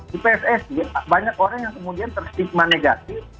di pssi banyak orang yang kemudian terstigma negatif